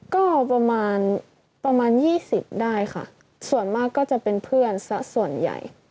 ก็ประมาณประมาณ๒๐ได้ค่ะส่วนมากก็จะเป็นเพื่อนสักส่วนใหญ่